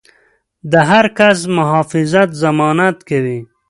د هر کس د محافظت ضمانت کوي.